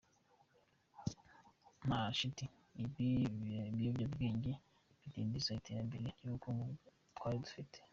Nta shiti ibi biyobyabwenge bidindiza iterambere ry’ubukungu twari dufite.